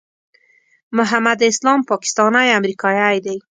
محمد اسلام پاکستانی امریکایی دی.